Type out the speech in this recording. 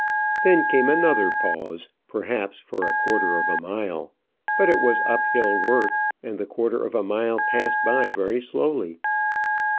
Then came another pause, perhaps for a quarter of a mile, but it was up hill work, and the quarter of a mile passed by very slowly.